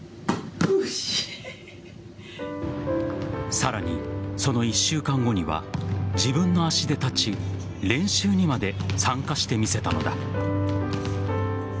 さらに、その１週間後には自分の足で立ち練習にまで参加してみせたのだ。